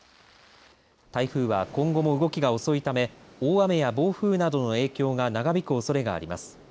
台風は今後も動きが遅いため大雨や暴風などの影響が長引くおそれがあります。